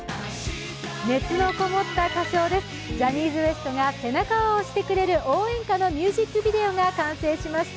熱のこもった歌唱です、ジャニーズＷＥＳＴが背中を押してくれる応援歌のミュージックビデオが完成しました。